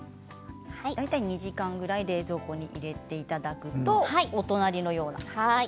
大体２時間くらい冷蔵庫に入れていただくと、お隣のような。